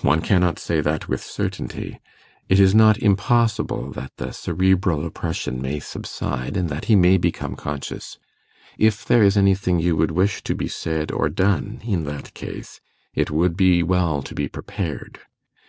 'One cannot say that with certainty. It is not impossible that the cerebral oppression may subside, and that he may become conscious. If there is anything you would wish to be said or done in that case, it would be well to be prepared.